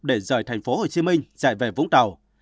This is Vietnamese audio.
để rời thành phố hồ chí minh chạy về vũng tàu